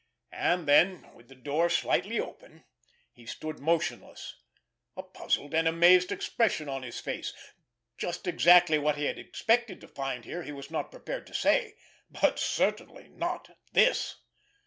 And then, with the door slightly open, he stood motionless, a puzzled and amazed expression on his face. Just exactly what he had expected to find here, he was not prepared to say—but certainly not this!